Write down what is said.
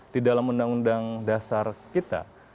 di dalam undang undang dasar kita